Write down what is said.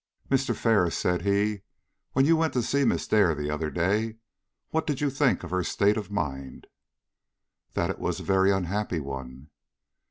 "Mr. Ferris," said he, "when you went to see Miss Dare the other day, what did you think of her state of mind?" "That it was a very unhappy one."